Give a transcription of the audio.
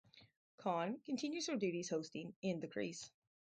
Cohn continues her duties hosting "In the Crease".